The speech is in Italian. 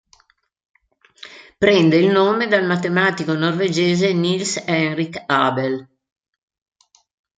Prende il nome dal matematico norvegese Niels Henrik Abel.